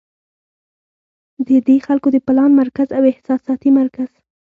د دې خلکو د پلان مرکز او احساساتي مرکز